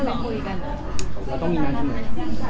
ก็อยากเคลียร์อะไรก็ต้องมีผู้ใหญ่มาเคลียร์ด้วยเป็นผู้ให้ไว้